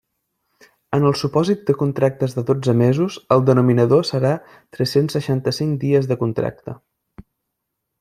En el supòsit de contractes de dotze mesos, el denominador serà tres-cents seixanta-cinc dies de contracte.